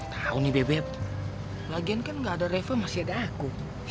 tau nih beb lagian kan gak ada reva masih ada aku